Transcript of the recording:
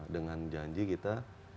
dengan janji kita